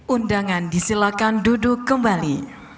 undangan disilakan duduk kembali